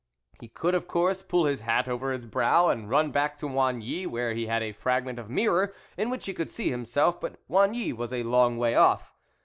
He could, of course, pull his hat over his brow, and run back to Oigny, where he had a fragment of mirror in which he could see himself; but Oigny was a long way off.